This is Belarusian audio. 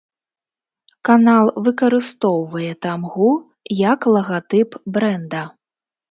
Канал выкарыстоўвае тамгу як лагатып брэнда.